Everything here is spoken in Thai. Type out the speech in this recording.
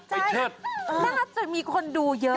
น่าจะมีคนดูเยอะ